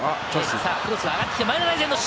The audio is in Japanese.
クロスが上がってきて、前田大然の。